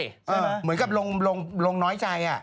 เออเหมือนกับรงน้อยใจอะ